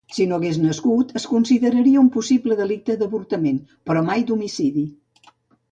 Si no hagués nascut, es consideraria un possible delicte d'avortament, però mai d'homicidi.